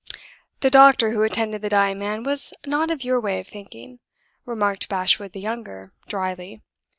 "The doctor who attended the dying man was not of your way of thinking," remarked Bashwood the younger, dryly.